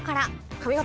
「髪形！」